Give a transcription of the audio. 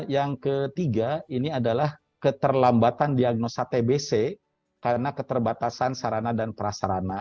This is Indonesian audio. yang ketiga ini adalah keterlambatan diagnosa tbc karena keterbatasan sarana dan prasarana